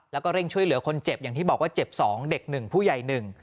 แล้วก็เร่งช่วยเหลือคนเจ็บอย่างที่บอกว่าเจ็บ๒เด็ก๑ผู้ใหญ่๑